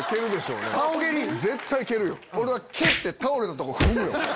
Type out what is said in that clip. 俺は蹴って倒れたとこ踏むよ。